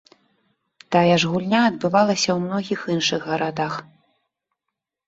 Тая ж гульня адбывалася ў многіх іншых гарадах.